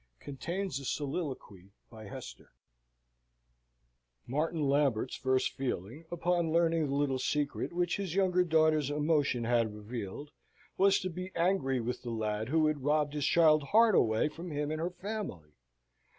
Contains a Soliloquy by Hester Martin Lambert's first feeling, upon learning the little secret which his younger daughter's emotion had revealed, was to be angry with the lad who had robbed his child's heart away from him and her family.